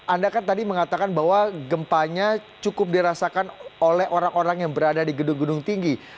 anda kan tadi mengatakan bahwa gempanya cukup dirasakan oleh orang orang yang berada di gedung gedung tinggi